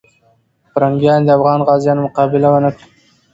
پرنګیان د افغان غازیو مقابله ونه کړه.